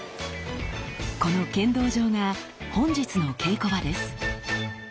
この剣道場が本日の稽古場です。